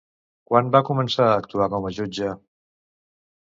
Quan va començar a actuar com a jutge?